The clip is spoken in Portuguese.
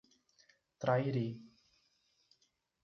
Trairi